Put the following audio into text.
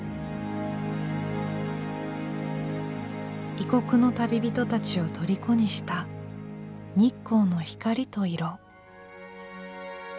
異国の旅人たちを虜にした日光の光と色。